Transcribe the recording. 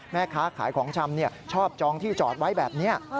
แม่ค้าขายของชำชอบจองที่จอดไว้แบบนี้